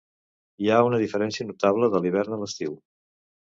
Hi ha una diferència notable de l'hivern a l'estiu.